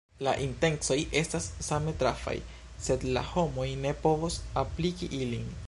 La intencoj estas same trafaj, sed la homoj ne povos apliki ilin.